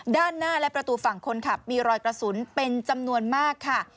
ด้านหน้าและประตูฝั่งคนขับมีรอยกระสุนเป็นจำนวนมากค่ะ